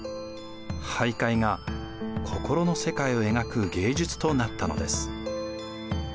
俳諧が心の世界を描く芸術となったのです。